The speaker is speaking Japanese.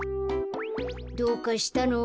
どうかしたの？